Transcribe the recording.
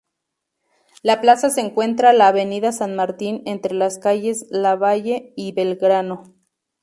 La plaza se encuentra la Avenida San Martín entre las calles Lavalle y Belgrano.